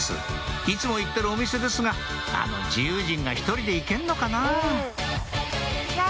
いつも行ってるお店ですがあの自由人が１人で行けんのかな？